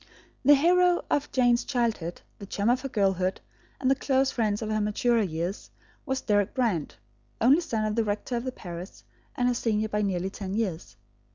The hero of Jane's childhood, the chum of her girlhood and the close friend of her maturer years, was Deryck Brand, only son of the rector of the parish, and her senior by nearly ten years.